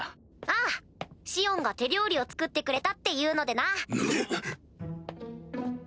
ああシオンが手料理を作ってくれたっていうのでな。